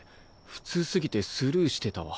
普通すぎてスルーしてたわ。